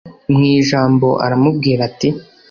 mwijambo aramubwira ati